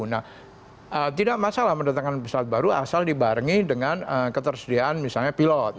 nah tidak masalah mendatangkan pesawat baru asal dibarengi dengan ketersediaan misalnya pilot